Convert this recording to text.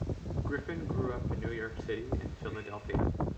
Griffin grew up in New York City and Philadelphia.